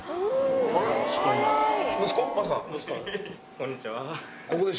こんにちは。